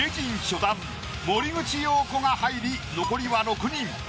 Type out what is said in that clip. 初段森口瑤子が入り残りは６人。